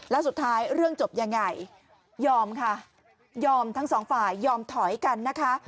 แล้วสุดท้ายเรื่องจบยังไงยอมค่ะยอมทั้งสองฝ่ายยอมถอยกันนะคะ